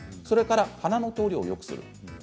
それから鼻の通りをよくする。